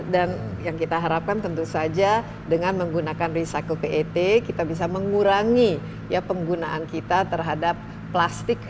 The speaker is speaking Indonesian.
dan yang kita harapkan tentu saja dengan menggunakan recycle pet kita bisa mengurangi ya penggunaan kita terhadap plastik